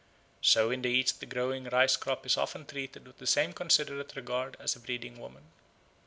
So in the East the growing rice crop is often treated with the same considerate regard as a breeding woman.